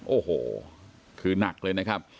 โอ้โหคือนักเลยนะครับ